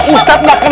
ustadz gak kena